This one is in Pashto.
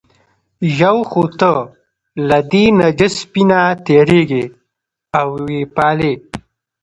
یو خو ته له دې نجس سپي نه تېرېږې او یې پالې.